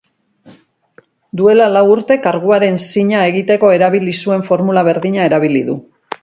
Duela lau urte karguaren zina egiteko erabili zuen formula berdina erabili du.